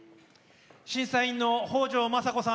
審査員の北条政子さん